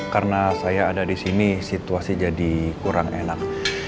karena saya ada di sini situasi jadi kurang enak